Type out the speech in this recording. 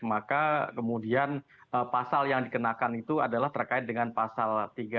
maka kemudian pasal yang dikenakan itu adalah terkait dengan pasal tiga ratus empat puluh